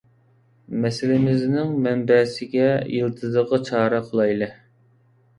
مەسىلىمىزنىڭ مەنبەسىگە، يىلتىزىغا چارە قىلايلى.